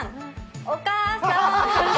お母さん！